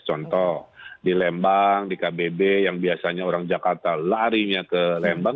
contoh di lembang di kbb yang biasanya orang jakarta larinya ke lembang